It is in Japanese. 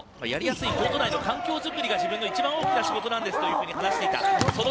やりやすいコート内の環境作りが一番大きな仕事なんですというふうに話していた。